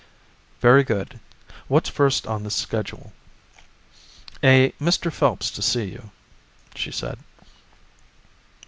"Very good, what's first on the schedule?" "A Mr. Phelps to see you," she said.